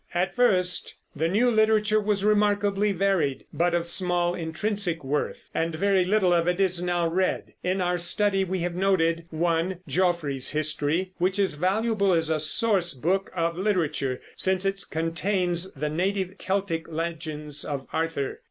At first the new literature was remarkably varied, but of small intrinsic worth; and very little of it is now read. In our study we have noted: (1) Geoffrey's History, which is valuable as a source book of literature, since it contains the native Celtic legends of Arthur.